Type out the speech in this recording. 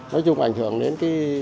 nói chung ảnh hưởng đến